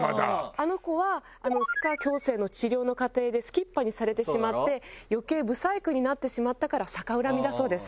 あの子は歯科矯正の治療の過程ですきっ歯にされてしまって余計不細工になってしまったから逆恨みだそうです。